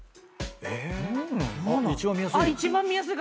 一番見やすい。